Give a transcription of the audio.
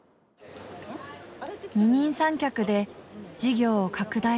二人三脚で事業を拡大。